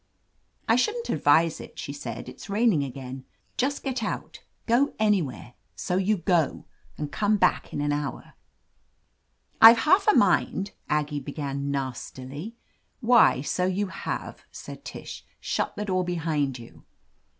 "I shouldn't advise it," she said. "It's rain ing again. Just get out — ^go anywhere, so you go. And come back in an hour." "I've half a mind —" Aggie began nastily. "Why, so you have !" said Tish. "Shut the door behind you."